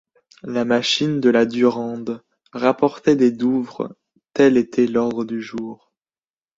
La machine de la Durande rapportée des Douvres, tel était l’ordre du jour.